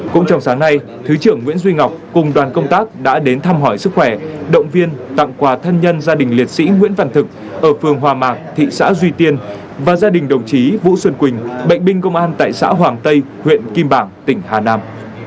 cũng trong sáng nay thứ trưởng nguyễn duy ngọc cùng đoàn công tác đã đến thăm hỏi sức khỏe động viên tặng quà thân nhân gia đình liệt sĩ nguyễn văn thực ở phương hòa mạc thị xã duy tiên và gia đình đồng chí vũ xuân quỳnh bệnh binh công an tại xã hoàng tây huyện kim bảng tỉnh hà nam